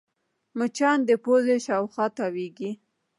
مچان د پوزې شاوخوا تاوېږي